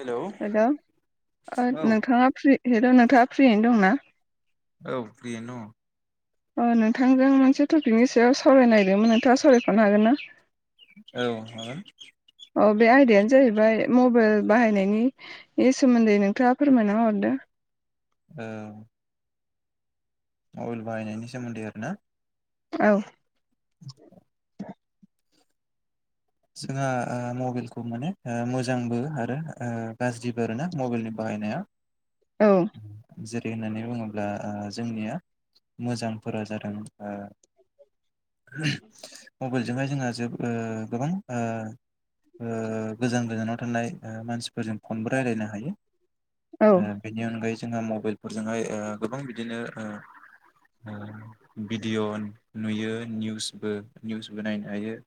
Hello hello ओ औ नोंथाङा फ्रि हेल' नोंथाङा फ्रियैनो दंना? औ फ्रियैनो दङ। अ नोंथांजों मोनसे टपिकनि सायाव सावराय नायदोंमोन नोंथाङा सावरायफानो हागोन ना? औ हागोन। अ बे आयदायानो जाहैबाय मबाइल बाहायनायनि। बे सोमोन्दै नोंथाङा फोरमायना हरदों। ओ मबाइल बायहायनायनि सोमोन्दै आरोना? औ। [inaudible] जोंहा ओ मबाइलखौ माने ओ मोजांबो आरो ओ गाज्रिबो आरोना मबाइलनि बाहायनाया। औ। जेरै होननानै बुंङोब्ला ओ जोंनिया मोजांफोरा जादों ओ [unintelligible] मबाइलजोंहाय जोंहा जोबो ओ गोबां आ ओ गोजान गोजानाव थानाय मानसिफोरजों फनबो रायलायनो हायो औ ओं। बेनि अनगायै जोंहा मबाइलफोरजोंहाय ओ गोबां बिदिनो ओ ओ भिडिअ' नुयो निउसबो निउसबो नायनो हायो।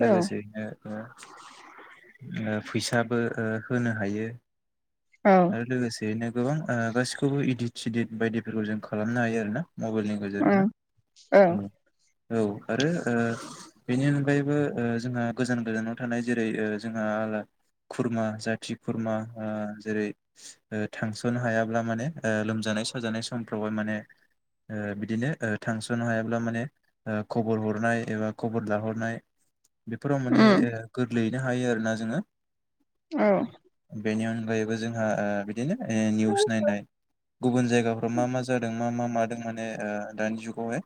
लोगोसेैनो ओ ओ फैसाबो ओ होनो हायो। औ आरो लोगोसेयैनो गोबां ओ गासिखौबो इदिट सिदित बायदिफोरखौ जों खालामनो हायो आरोना मबाइलनि गेजेरजोंनो ओं औ औ औ आरो ओ बेनि अनगायैबो ओ जोंहा गोजान गोजानाव थानाय जेरै ओ जोंहा आला खुरमा जाथि खुरमा ओ जेरै ओ थांस'नो हायाब्ला माने ओ लोमजानाय साजानाय समफ्रावबोहाय माने ओ बिदिनो ओ थांस'नो हायाब्ला माने ओ खबर हरनाय एबा खबर लाहरनाय बेफोराव माने उम ओ गोरलैयैनो हायो आरोना जोङो औ। बेनि अनगायैबो जोंहा ओ बिदिनो ओ निउस नायनाय गुबुन जायगाफोराव मा मा जादों मा मा मा दों माने ओ दानि जुगावहाय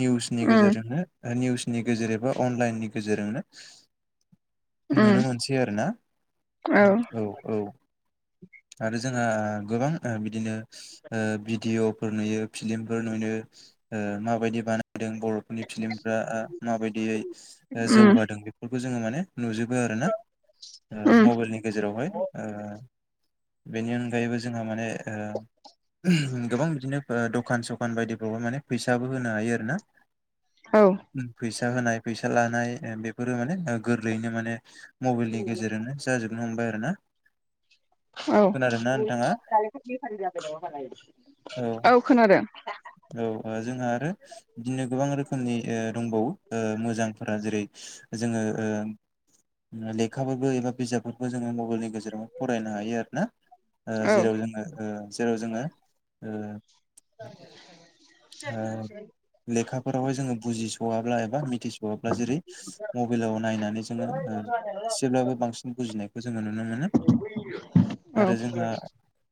निउसनि उम गेजेरजोंनो ओ निउसनि गेजेर ए बा अनलाइननि गेजेरजोंनो उम नुनो मोनसै आरो ना औ औ। आरो जोंहा गोबां ओ बिदिनो ओ भिडिअफोर नुयो फिलिमफोर नुयो ओ माबायदि बानायदों बर' नि फिलिमफ्रा ओ माबायदियै उम जौगादों बेफोरखौ जोङो माने नुजोबो आरोना ओ उम मबाइलनि गेजेरावहाय ओ बेनि अनगायैबो जोंहा माने ओ गोबां बिदिनो ओ दखान सखान बायदिफ्रावबो माने फैसाबो होनो हायो आरो ना। औ। फैसा होनाय फैसा लानाय ओ बेफोरो माने ओ गोरलैयैनो माने मबाइलनि गेजेरजोंनो जाजोबनो हमबाय आरो ना। औ नोंथाङा औ खोनादों। औ ओ जोंहा आरो बिदिनो गोबां रोखोमनि ओ दंबावो ओ मोजांफोरा जेरै जोङो ओ लेखाफोरबो एबा बिजाबफोरबो जोङो मबाइलनि गेजेराव फरायनो हायो आरो ना। ओ औ जेराव जोङो जेराव जोङो ओ [inaudible] ओ लेखाफोरावहाय जोङो बुजिस'वाब्ला एबा मिथिस'वाब्ला जेरै मबाइलाव नायनानै जोङो ओ एसेब्लाबो बांसिन बुजिनायखौ जोङो नुनो मोनो। औ आरो जोंहा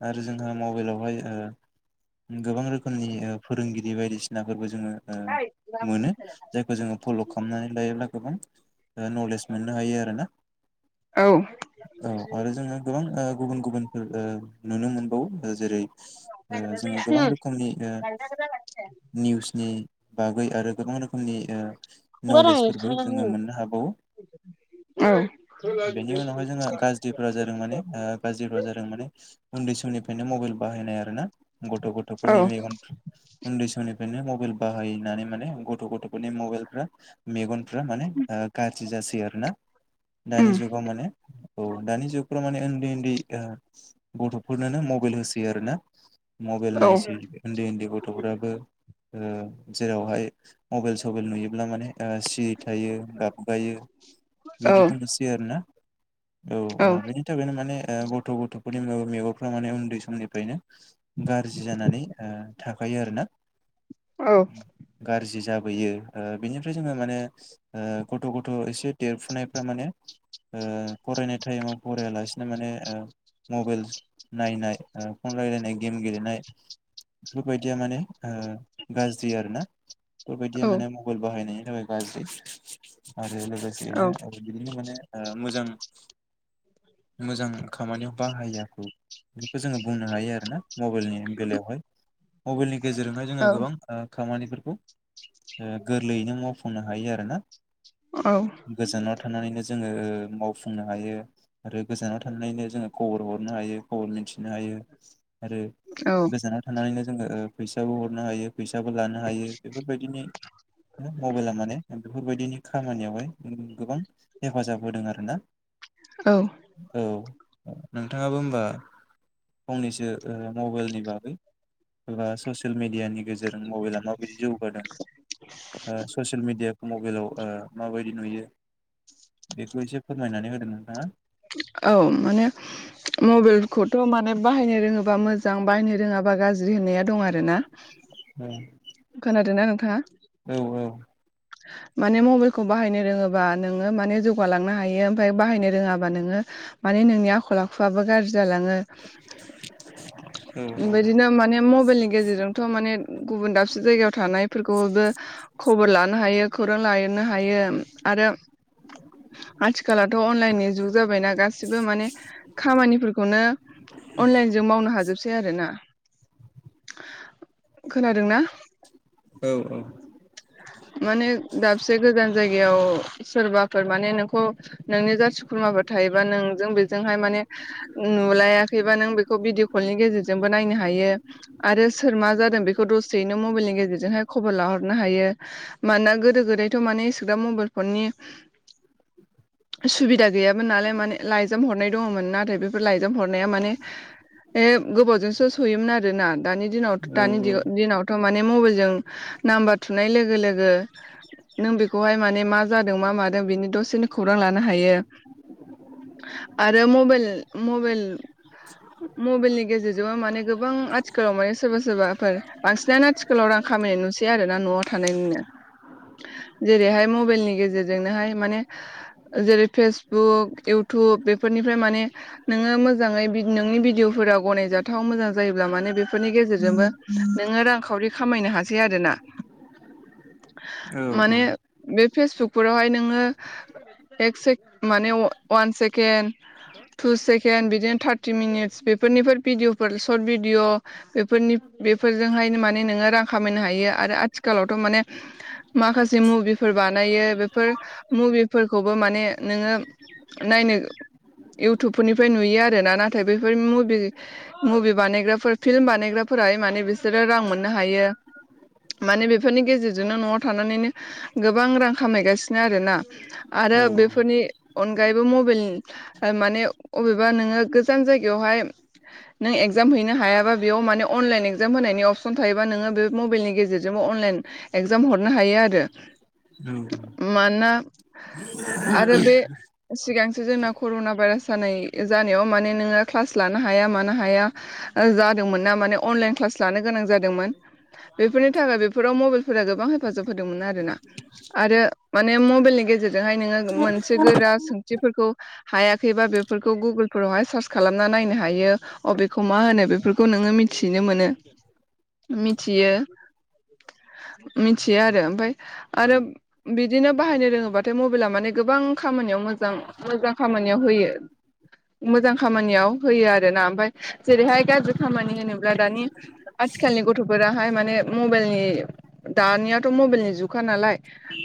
आरो जोंहा मबाइलावहाय ओ गोबां रोखोमनि ओ फोरोंगिरि बायदिसि नाफोरबो जोङो ओ मोनो जायखौ जोङो फल' खालामनानै लायोब्ला गोबां ओ नलेज मोननो हायो आरो ना औ उम औ आरो जोङो गोबां गुबुन गुबुनफोर ओ नुनो मोनबावो जेरै ओ जोङो गोबां रोखोमनि ओ जागोन जागोन निउसनि बागै आरो गोबां रोखोमनि ओ नलेजफोरबो जोङो मोननो हाबावो। बेनि उनावहाय जोङो गाज [unintelligible] जादों माने ओ गाज्रि बा जादों माने उन्दै समनिफ्रायनो मबाइल बाहायनाय आरोना। गथ' गथ'फोरनि मेगन उन्दै समनिफ्रायनो मबाइल बाहायनानै माने गथ' गथ'फोरनि मबाइलफ्रा मेगन फ्रा माने ओ गाज्रि जासै आरोना दानि जुगाव माने औ दानि जुगफ्राव माने उन्दै उन्दै ओ गथ'फोरनोनो मबाइल होसोै आरो ना मबाइल नायसै उन्दै उन्दै गथ' गथ'फ्राबो ओ जेरावहाय मबेल सबेल नुयोब्ला माने ओ [unintelligible] थायो गाबगायो बिदिखौनोसै आरोना औ बिदि थनो माने गथ' गथ'फोरनि मेगनफ्रा माने उन्दै समनिफ्रायनो गाज्रि जानानै ओ थाखायो आरोना। औ गारजि जाबोयो ओ बिनिफ्राय जोङो माने ओ गथ' गथ' एसे देरफुनायफ्रा माने ओ फरायनाय टाइमाव फरायालासिनो माने ओ मबेलस नायनाय ओ फन रायलायनाय गेम गेलेनाय बेफोरबायदिया माने ओ गाज्रि आरोना बेफोरबायदिया औ माने म बाइल बाहाय नायनि थाखाय गाज्रि आरो औ लोगोसेयैनो बिदिनो माने आ मोजां मोजां खामानियाव बाहायाखै बेखौ जोङो बुंनो हायो आरोना मबाइलनि बेलायावहाय। मबाइलनि गेजेरजोंहाय जोङो औ गोबां ओ खामानिफोरखौ ओ गोरलैयैनो माव फुंनो हायो आरो ना। औ। गोजानाव थानानैनो जोङो ओ मावफुंनो हायो आरो गोजानाव थांनानैनो जोङो खबर हरनो हायो खबर मिथिनो हायो आरो औ गोजानाव थानानैनो जोङो ओ फैसाबो हरनो हायो फैसाबो लानो हायो बेफोरबादिनो ओ मबाइला माने बेफोरबादिनि खामानिआवहाय गोबां हेफाजाब होदों आरोना औ औ नोंथांआबो होमबा फंनैसो मबेलनि बागै ओ ससियेल मिडिआनि गेजेरजों जों मबाइला माबादि जौगादों ओ ससिल मिडिआखौ मबेलाव माबादि नुयो बेखौ एसे फोरमायनानै होदों नोंथांआ औ माने उम उम मबाइलखौथ' माने बाहायनो रोङोबा मोजां बाहायनो रोङाबा गाज्रि होननाया दं आरो ना दा खोनादों ना नोंथांआ हो माने मबेलखौ बाहायनो रोङोबा नोङो माने जौगालांनो हायो आमफाय बाहायनो रोङाबा नोङो मानि नोंनि आखल आखुआबो गाज्रि जालाङो बिदिनो माने मबेलनि गेजेरजोंथ' माने गुबुन दाबसे जायगायाव थानायफोरखौबो खबर लानो हायो खौरां लानो हायो आरो आथिखलावथ' अनलाइननि जुग जाबायना गासिबो माने हो‌ खामानिफोरखौनो अनलाइनजों मावनो हाजोबसै आरो ना हो खोनादों ना औ औ माने दाबसे गोजान जायगायाव सोरबाफोर माने नोंखौ नोंनि जाथि सुखुरमाफोर थायोबा नोंजों बेजोंहाय माने हो नुलायाखैबा नों बेखौ भिदिअ' कलनि गेजेरजोंबो नायनो हायो आरो सोर मा जादों बेखौ दसेयैनो मबेलनि गेजेरजोंहाय खबर लाहरनो हायो हो मानोना गोदो गोदायथ' माने एसेग्राब मबेल फननि सुबिदा गैयामोन नालाय माने लाइजाम हरनाय दङोमोन नाथाय बेफोर लाइजाम हरनाया माने एसे गोबावजोंसो सोयैमोन आरोना दानि दिनाव औ थ'दानि दिनावथ' माने मबाइलजों नामबार थुनाय लोगो लोगो नों बेखौहाय माने मा जादों मा मादों बेनि दसेनो खौरां लानो हायो हो आरो मबेल मबेल मबेलनि गेजेरजोंबो माने गोबां आथिखालाव माने सोरबा सोरबाफोर बांसिनानो आथिखाल स्कुलाव रां खामायनाय नुसै आरो ना न'आव थानाय नुला जेरैहाय मबेलनि गेजेरजों नोहाय माने जेरै फेसबुक इउटुब बेफोरनिफ्राय माने नोङो मोजाङै बि नोंनि भिडिअफोरा गनायजाथाव मोजां जायोब्ला मानोे बेफोरनि गेजेरजोंबो नोङो रांखाउरि खामायनो हासै आरोना औ हो औ माने औ बे फेसबुकफोरावहाय नोङो एक सेके‌ माने वान सेकेणड थु सेकेणड बिदिनो थारथि मिनिटस बेफोरनिफोर भिडिअफोर सर्ट भिडिअ' बेफोरनि बेफोरजोंहाय माने नोङो रां खामायनो हायो आरो आथिखालावथ' मानि हो माखासे मुभिफोर बानायो बेफोर हो मुभिफोरखौबो माने नोङो नायनो इउटुबफोरनिफ्राय नुयो आरोना नाथाय बेफोर मुभि मुभि बानायग्राफोर फिल्म बानायग्राफोराहाय माने बिसोर रां मोननो हायो मानि बेफोरनि गेजेरजोंनो न'आव थानानैनो हो गोबां रां खामायगासिनो आरोना आरो बेफोरनि अनगायैबो मबेल ओ माने अबेबा नोङो गोजान जायगायावहाय नों एकजाम हैनो हायाबा बेआव माने अनलाइन एकजाम होनायनि अपसन थायोबा नोङो बे मबाइलनि गेजेरजों जोंबो अनलाइन एक्जाम हरनो हायो आरो। मानोना आरो बे सिगांसो जोंना कर'ना भाइरास जानाय-जानायाव माने नोङो क्लास लानो हाया मानो हाया ओ जादोंमोन ना माने अनलाइन क्लास लानो गोनां जादोंमोन। बेफोरनि थाखाय बेफोराव मबेइलफोरा गोबां हेफाजाब होदोंमोन आरोना। आरो माने मबेइलनि गेजेरजों जोंहाय नोङो मोनसे गोरा सोंथिफोरखौ हायाखैबा बेफोरखौ गुगोलफोरावहाय सार्च खालामना नायनो हायो। अबेखौ मा होनो बेफोरखौ नोङो मिथिनो मोनो मिथियो। मिथियो आरो ओमफाय आरो बिदिनो बाहायनो रोङोबाथाय मबेइला माने गोबां खामानियाव मोजां मोजां खामानियाव होयो। मोजां खामानियाव होयो आरोना। ओमफाय जेरैहाय गाज्रि खामानि होनोब्ला दानि आथिखालनि गथ'फोराहाय माने मबेइलनि दानियाथ' मबेइलनि जुगखा नालाय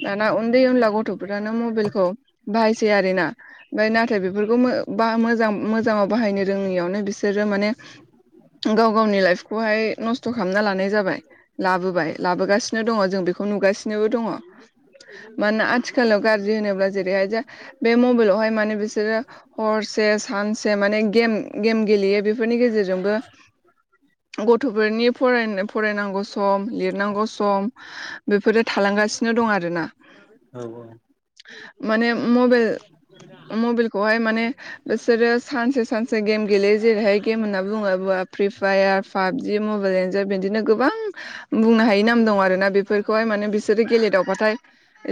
दाना उन्दै उनला गथ'फोरानो मबाइलखौ बाहायसै आरो ना। ओमफाय नाथाय बेफोरखौ मो बा मोजां-मोजाङाव बाहायनो रोङियावनो बिसोरो माने गाव गावनि लाइफखौहाय नस्थ' खालामना लानाय जाबाय। लाबोबाय लाबोगासिनो दङ' जों बेखौ नुगासिनोबो दङ'। मानोना आथिखालाव गाज्रि होनोब्ला जेरैहाय जे बे मबेइलावहाय माने बिसोरो हरसे सानसे माने गेम गेम गेलेयो बेफोरनि गेजेरजोंबो गथ'फोरनि फराय-फरायनांगौ स सम, लिरनांगौ सम बेफोरो थालांगासिनो दं आरोना। औ औ। माने मबेल मबेलखौहाय माने ओसोरो सानसे सानसे गेम गेलेयो जेरैहाय गेम होनना बुङोबा free fire five G mobile enjoy बिदिनो गोबां बुंनो हायि नाम दं आरो ना बेफोरखौहाय माने बिसोरो गेलेदावबाथाय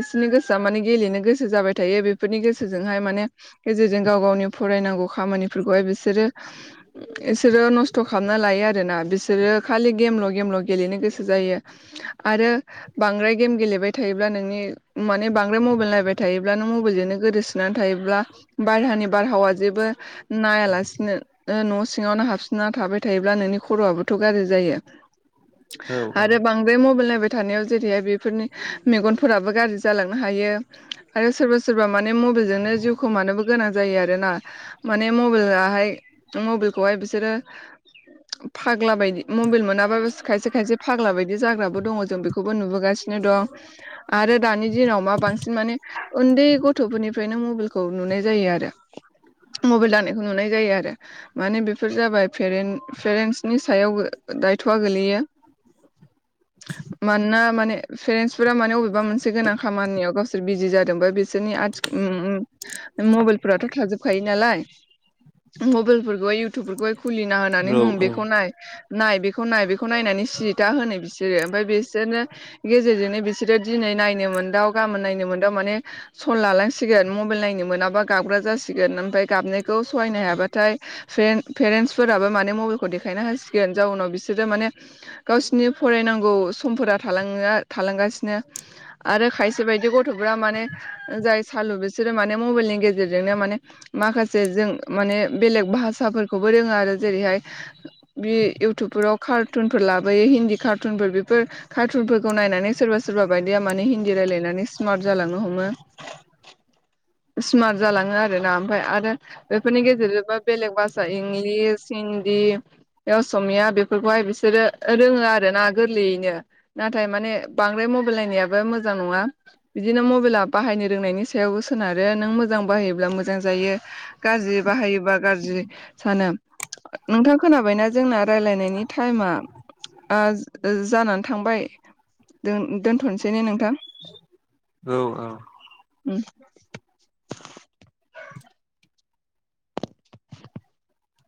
इसिनि गोसोआ माने गेलेनो गोसो जाबाय थायो। बेफोरनि गोसोजोंहाय माने गेजेरजों गाव गावनि फरायनांगौ खामानिफोरखौहाय बिसोरो इसोरो नस्थ' खालामना लायो आरो ना बिसोरो खालि गेमल' गेमल' गेलेनो गोसो जायो। आरो बांद्राय गेम गेलेबाय थायोब्ला नोंनि माने बांद्राय मबेइल नायबाय थायोब्ला नों मबेइलजोंनो गोदोसो ना थायोब्ला बारहानि बारहावा जेबो नायालासिनो ओ न' सिङावनो हाबसोना थाबाय थायोब्ला नोंनि खर'आबोथ' गाज्रि जायो। आरो बां बे मबेइल नायबाय थानायाव जेरैहाय बेफोरनि मेगनफोराबो गाज्रि जालांनो हायो। आरो सोरबा सोरबा माने मबेइलजोंनो जिउ खोमानोबो गोनां जायो आरोना। माने मबेलाहाय मबेलखौहाय बिसोरो फाग्ला बायदि मबेल मोनाबा बेस खायसे खायसे फाग्ला बायदि जाग्राबो दङ' जों बेखौबो नुबोगासिनो दं। आरो दानि दिनाव मा बांसिन माने ओन्दै गथ'फोरनिफ्रायनो मबेइलखौ नुनाय जायो आरो। मबेइल लानायखौ नुनाय जायो आरो। माने बेफोर जाबाय पेरेन् पेरेन्टसनि सायाव दायथ'आ गोलैयो। मानोना माने पेरेन्टसफोरा माने अबेबा मोनसे गोनां खामानियाव गावसोर बिजि जादोंबा बिसोरनि आथिखाल ओम मबेइल फोराथ' थाजोबखायो नालाय मबाइलफोरखौहाय इयु तुब फोरखौहाय खुलिना होनानै होम बेखौ नाय, नाय बेखौ नाय बे बेखौ नायनानै सिरिथा होनो बिसोरो ओमफ्राय बिसोरनो गेजेरजोंनो बिसोरो दिनै नायनो मोनदाव गाबोन नायनो मोनदाव माने सल लालांसिगोन मबेइल नायनो मोनाबा गाबग्रा जासिगोन ओमफाय गाबनायखौ सहायनो हायाबाथाय पेरेन पेरेन्टसफोराबो माने मबेइलखौ देखायना होसिगोन जाउनाव बिसोरो माने गावसिनि फरायनांगौ समफोरा थालाङो थालांगासिनो आरो खायसे बायदि गथ'फोरा माने जाय सालु बिसोरो माने मबाइलनि गेजेरजोंनो माने माखासे जों माने बेलेग भाषाफोरखौबो रोङो आरो जेरैहाय बे इउटुबफोराव कारटुनफोर लाबोयो हिन्दी कारटुनफोर बेफोर कार्टुनफोरखौ नायनानै सोरबा सोरबा बायदिया माने हिन्दी रायलायनानै स्मार्ट जालांनो हमो। स्मार्ट जालाङो आरोना ओमफ्राय आरो बेफोरनि गेजेरजोंबो बेलेग भाषा इंलिस, हिन्दी बे असमिया बेफोरखौहाय बिसोरो रोङो आरो ना गोरलैयैनो। नाथाय माने बांद्राय मबाइल नायनायाबो मोजां नङा। बिदिनो मबाइला बाहायनो रोंनायनि सायावबो सोनारो नों मोजां बाहायोब्ला मोजां जायो। गाज्रि बाहायोबा गाज्रि सानो। नोंथां खोनाबायना जोंना रायलायनायनि टाइमा आ आजानानै थांबाय दो दोनथ'नोसै ने नोंथां? औ औ। ओम।